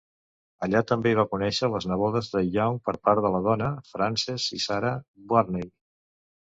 Allà també hi va conèixer les nebodes de Young per part de la dona, Frances i Sarah Burney.